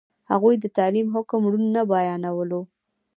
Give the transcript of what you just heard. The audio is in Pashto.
هغوی د تعلیم حکم روڼ نه بیانولو.